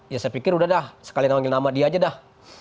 ya saya pikir udah dah sekali nanggil nama dia aja dah